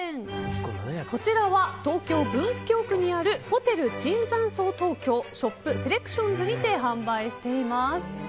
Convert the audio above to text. こちらは東京・文京区にあるホテル椿山荘東京ショップ、セレクションズにて販売しています。